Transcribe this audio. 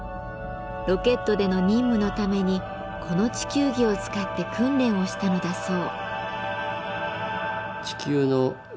ロケットでの任務のためにこの地球儀を使って訓練をしたのだそう。